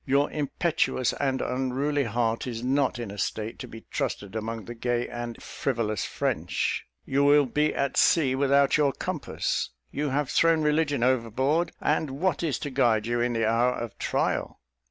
Your impetuous and unruly heart is not in a state to be trusted among the gay and frivolous French. You will be at sea without your compass you have thrown religion overboard and what is to guide you in the hour of trial?"